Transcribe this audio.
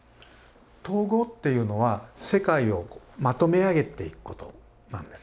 統合っていうのは世界をまとめ上げていくことなんですね。